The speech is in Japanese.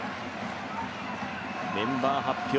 メンバー発表